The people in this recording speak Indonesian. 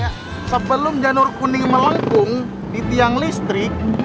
jalan yang ada janur kuning melengkung di tiang listrik